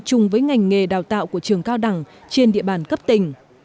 chung với ngành nghề đào tạo của trường cao đẳng trên địa bàn cấp tỉnh